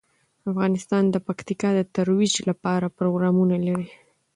افغانستان د پکتیکا د ترویج لپاره پروګرامونه لري.